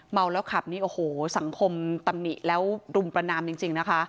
เมาแล้วขับนี่โอ้โหสังคมตำหนิแล้วรุมประนามจริงนะคะ